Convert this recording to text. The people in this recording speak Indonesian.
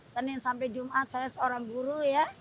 senin sampai jumat saya seorang guru ya